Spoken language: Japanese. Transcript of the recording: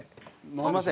すみません。